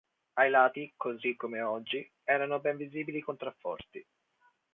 Ai lati, così come oggi, erano ben visibili i contrafforti.